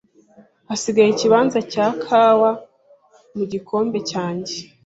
Hasigaye ikibanza cya kawa mu gikombe cyanjye.